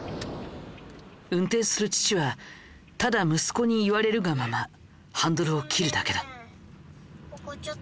運転する父はただ息子に言われるがままハンドルを切るだけだ。